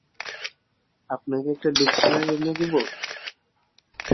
আপনাকে একটা ডিকশনারি এনে দিব?